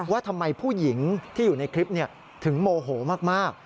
ว่าทำไมผู้หญิงที่อยู่ในคลิปถึงโมโหมาก